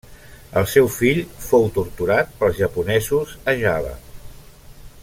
El seu fill fou torturat pels japonesos a Java.